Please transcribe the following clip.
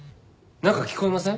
なんか聞こえません？